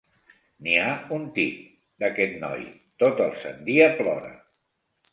N'hi ha un tip, d'aquest noi: tot el sant dia plora.